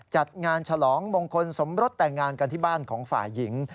จัดงานฉลองมงคลสมรสแต่งงานกันที่บ้านของฝ่ายหญิง